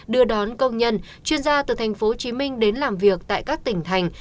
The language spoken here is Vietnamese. đưa đón công nhân chuyên gia từ tp hcm đến làm việc tại các tỉnh thành